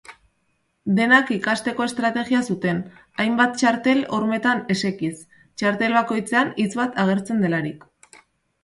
Denak ikasteko estrategia zuten, hainbat txartel hormetan esekiz, txartel bakoitzean hitz bat agertzen delarik.